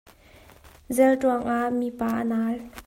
Zelṭuang ah mipa a naal.